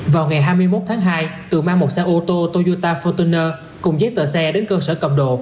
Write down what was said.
vào ngày hai mươi một tháng hai tường mang một xe ô tô toyota fortuner cùng với tờ xe đến cơ sở cầm độ